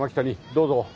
どうぞ。